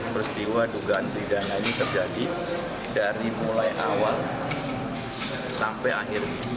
peristiwa dugaan pidana ini terjadi dari mulai awal sampai akhir